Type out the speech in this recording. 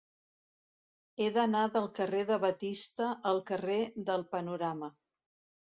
He d'anar del carrer de Batista al carrer del Panorama.